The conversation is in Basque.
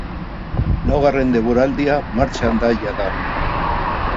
Laugarren denboraldia martxan da jada.